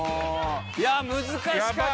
いや難しかった！